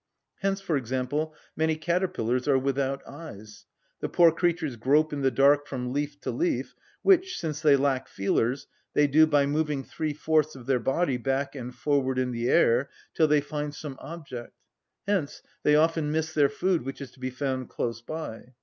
Hence, for example, many caterpillars are without eyes; the poor creatures grope in the dark from leaf to leaf, which, since they lack feelers, they do by moving three‐fourths of their body back and forward in the air, till they find some object. Hence they often miss their food which is to be found close by.